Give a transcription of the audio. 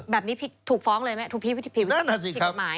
แบบนี้ถูกฟ้องเลยไหมถูกผีผิดกฎหมาย